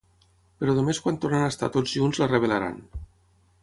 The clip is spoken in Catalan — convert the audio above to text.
Però només quan tornin a estar tots junts la revelaran.